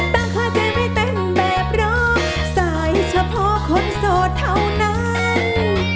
เข้าใจไม่เต็มแบบรอสายเฉพาะคนโสดเท่านั้น